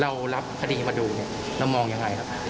เรารับคดีมาดูเรามองอย่างไรครับ